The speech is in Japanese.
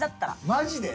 マジで？